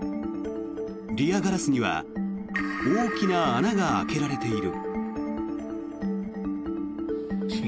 リアガラスには大きな穴が開けられている。